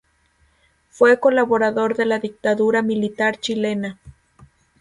Fue colaborador de la dictadura militar chilena.